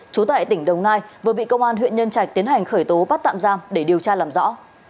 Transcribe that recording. trú tại tỉnh đồng nai vừa bị công an huyện nhân trạch tiến hành khởi tố bắt tạm giam để điều tra làm rõ